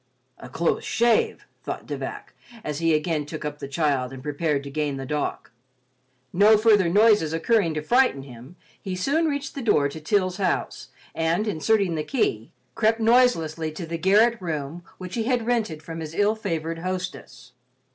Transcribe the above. "A close shave," thought De Vac, as he again took up the child and prepared to gain the dock. No further noises occurring to frighten him, he soon reached the door to Til's house and, inserting the key, crept noiselessly to the garret room which he had rented from his ill favored hostess.